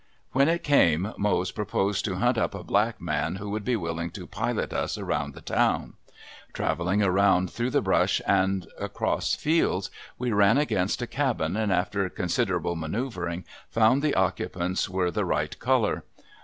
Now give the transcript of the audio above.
When it came Mose proposed to hunt up a black man who would be willing to "pilot" us around the town. Traveling around through the brush and across fields we ran against a cabin and after considerable manoeuvering found the occupants were the right color.